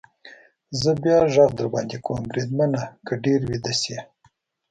زه بیا غږ در باندې کوم، بریدمنه، که ډېر ویده شې.